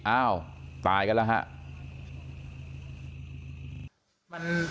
อ้าวตายกันแล้วฮะ